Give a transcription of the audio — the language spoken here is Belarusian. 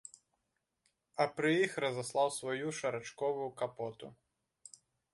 А пры іх разаслаў сваю шарачковую капоту.